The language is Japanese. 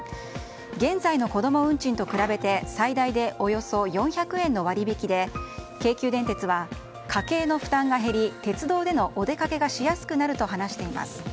現在の子供運賃と比べて最大でおよそ４００円の割引で京急電鉄は家計の負担が減り鉄道でのお出かけがしやすくなると話しています。